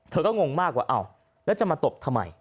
เธอก็งงมากว่าอ้าวแล้วจะมาตบทำไม